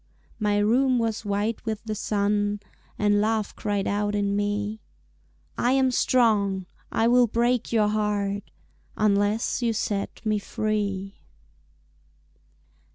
My room was white with the sun And Love cried out in me, "I am strong, I will break your heart Unless you set me free."